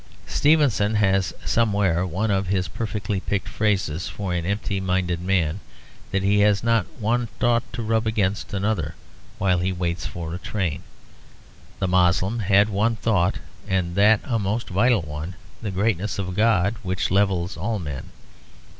Stevenson has somewhere one of his perfectly picked phrases for an empty minded man; that he has not one thought to rub against another while he waits for a train. The Moslem had one thought, and that a most vital one; the greatness of God which levels all men.